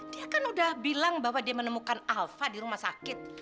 dia kan udah bilang bahwa dia menemukan alpha di rumah sakit